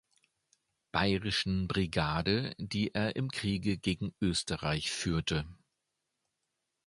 Bayerischen Brigade, die er im Kriege gegen Österreich führte.